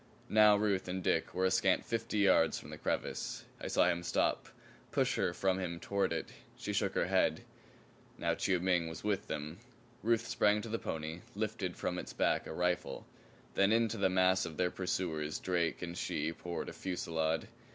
Now Ruth and Dick were a scant fifty yards from the crevice. I saw him stop, push her from him toward it. She shook her head. Now Chiu Ming was with them. Ruth sprang to the pony, lifted from its back a rifle. Then into the mass of their pursuers Drake and she poured a fusillade.